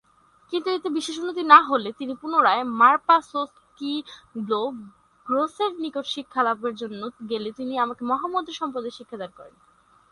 কিন্তু এতে বিশেষ উন্নতি না হলে তিনি পুনরায় মার-পা-ছোস-ক্যি-ব্লো-গ্রোসের নিকট শিক্ষালাভের জন্য গেলে তিনি তাকে মহামুদ্রা সম্বন্ধে শিক্ষাদান করেন।